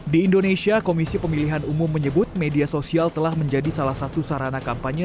di indonesia komisi pemilihan umum menyebut media sosial telah menjadi salah satu sarana kampanye